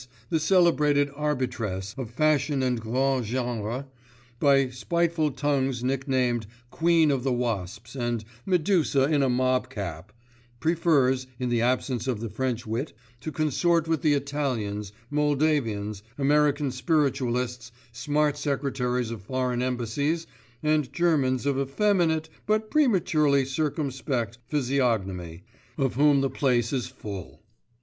the celebrated arbitress of fashion and grand genre, by spiteful tongues nicknamed 'Queen of the Wasps,' and 'Medusa in a mob cap,' prefers, in the absence of the French wit, to consort with the Italians, Moldavians, American spiritualists, smart secretaries of foreign embassies, and Germans of effeminate, but prematurely circumspect, physiognomy, of whom the place is full.